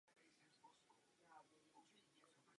Jeho velkým koníčkem je plavání.